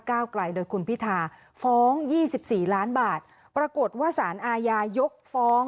เก้ากลัยโดยคุณพิทาฟ้อง๒๔ล้านบาทปรากฏว่าสารอายายกฟ้อง